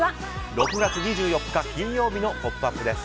６月２４日、金曜日の「ポップＵＰ！」です。